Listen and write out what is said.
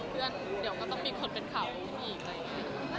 ไม่มีอะไรไม่ใช่แฟน